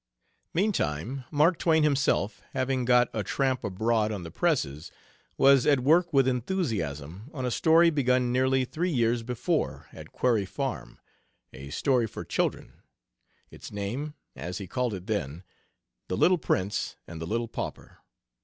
Meantime, Mark Twain himself, having got 'A Tramp Abroad' on the presses, was at work with enthusiasm on a story begun nearly three years before at Quarry Farm a story for children its name, as he called it then, "The Little Prince and The Little Pauper."